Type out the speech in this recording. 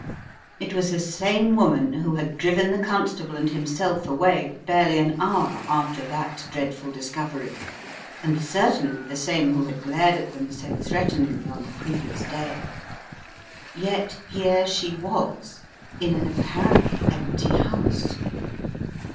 It was the same woman who had driven the constable and himself away, barely an A Shot in the Dark 117 hour after that dreadful discovery and certainly the same who had glared at them so threateningly on the previous day! Yet here she was in an apparently empty house.